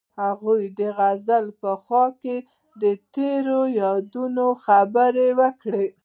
هغوی د غزل په خوا کې تیرو یادونو خبرې کړې.